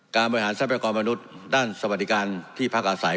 การบริหารทรัพยากรมนุษย์ด้านสวัสดิการที่พักอาศัย